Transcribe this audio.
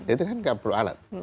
itu kan nggak perlu alat